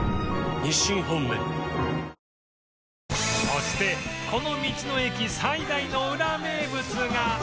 そしてこの道の駅最大のウラ名物が